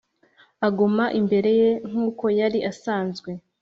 aguma imbere ye nk’uko yari asanzwe.